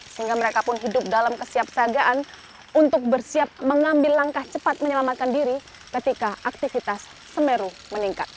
sehingga mereka pun hidup dalam kesiapsagaan untuk bersiap mengambil langkah cepat menyelamatkan diri ketika aktivitas semeru meningkat